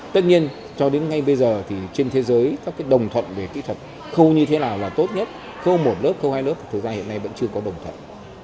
tất nhiên cho đến ngay bây giờ thì trên thế giới các cái đồng thuận về kỹ thuật khâu như thế nào là tốt nhất khâu một lớp khâu hai nước thực ra hiện nay vẫn chưa có đồng thuận